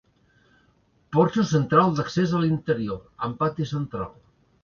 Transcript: Porxo central d'accés a l'interior, amb pati central.